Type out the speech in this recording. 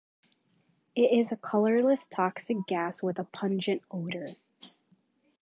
It is a colorless, toxic gas with a pungent odor.